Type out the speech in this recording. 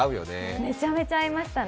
めちゃめちゃ合いましたね。